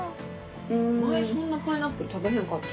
前そんなパイナップル食べへんかった。